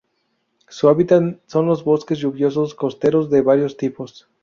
Su hábitat son los bosques lluviosos costeros de varios tipos.